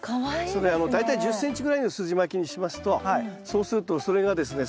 それ大体１０ｃｍぐらいのすじまきにしますとそうするとそれがですね